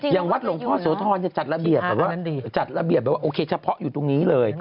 อย่างวัดหลวงพ่อโสธรจัดระเบียบแบบว่าจัดระเบียบแบบว่าโอเคเฉพาะอยู่ตรงนี้เลย